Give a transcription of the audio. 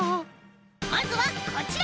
まずはこちら！